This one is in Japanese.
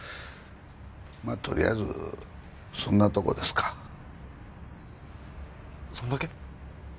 とりあえずそんなとこですかそんだけ？